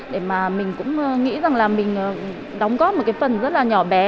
để mà mình cũng nghĩ rằng là mình đóng góp một cái phần rất là nhỏ bé